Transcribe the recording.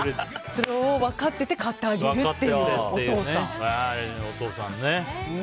それを分かってて買ってあげるっていうお父さん。